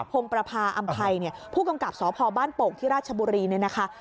งประพาอำภัยเนี่ยผู้กำกับสพบ้านโป่งที่ราชบุรีเนี่ยนะคะ